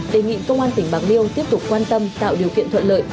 đề nghị công an tỉnh bạc liêu tiếp tục quan tâm tạo điều kiện thuận lợi